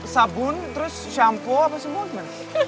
sabun terus shampoo apa semua